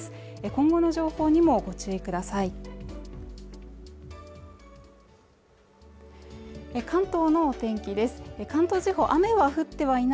今後の情報にもご注意ください